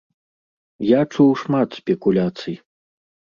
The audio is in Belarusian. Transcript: Я чуў шмат спекуляцый.